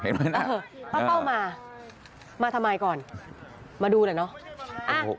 พ่อโป้มามาทำไมก่อนมาดูแหละเนาะ